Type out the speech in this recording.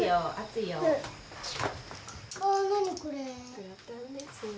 グラタンですよ。